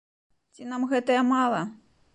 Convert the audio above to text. Ці нам гэтае мала?